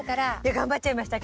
頑張っちゃいましたけど。